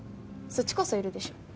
そっちこそいるでしょ。